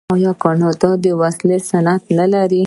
آیا کاناډا د وسلو صنعت نلري؟